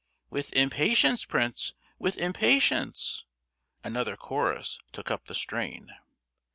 "With impatience, Prince, with impatience!" another chorus took up the strain.